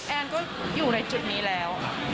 แอนก็อยู่ในจุดนี้แล้ว